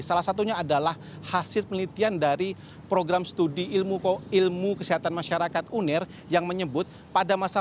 salah satunya adalah hasil penelitian dari program studi ilmu kesehatan masyarakat unir yang menyebut pada masa